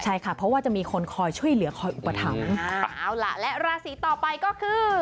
ใช่ค่ะเพราะว่าจะมีคนคอยช่วยเหลือคอยอุปถัมภ์เอาล่ะและราศีต่อไปก็คือ